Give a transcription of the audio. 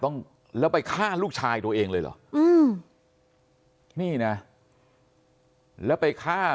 นี่ค่ะ